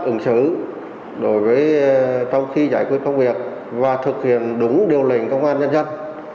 ứng xử đối với trong khi giải quyết công việc và thực hiện đúng điều lệnh công an nhân dân